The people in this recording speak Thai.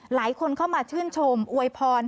หลายคนเข้ามาชื่นชมอวยพร